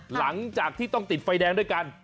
หลังจากที่ต้องติดไฟแดงด้วยกัน